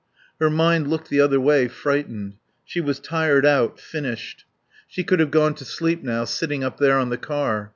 Her mind looked the other way, frightened. She was tired out, finished; she could have gone to sleep now, sitting up there on the car.